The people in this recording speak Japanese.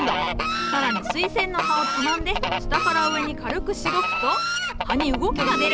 更にスイセンの葉をつまんで下から上に軽くしごくと葉に動きが出る。